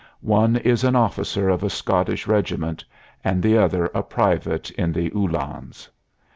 One is an officer of a Scottish regiment and the other a private in the uhlans.